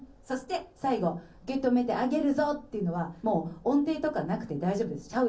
そして最後受け止めてあげるぞっていうのはもう音程とかなくて大丈夫です。